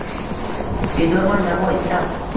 Bedorman davo istab.